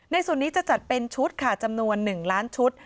ส่วนนี้จะจัดเป็นชุดค่ะจำนวน๑ล้านชุด